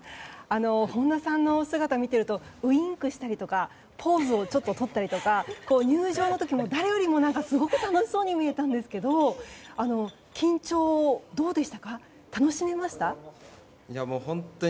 本多さんのお姿を見てるとウインクしたりとかポーズをとったりとか入場の時も誰よりもすごく楽しそうに見えたんですが緊張、どうでしたか？